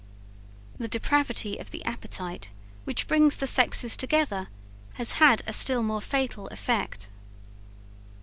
The depravity of the appetite, which brings the sexes together, has had a still more fatal effect.